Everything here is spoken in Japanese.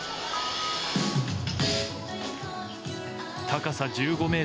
高さ１５ｍ。